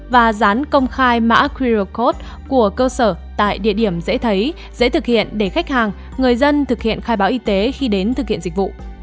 và dán công khai mã qr code của cơ sở tại địa điểm dễ thấy dễ thực hiện để khách hàng người dân thực hiện khai báo y tế khi đến thực hiện dịch vụ